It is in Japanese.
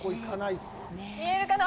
見えるかな？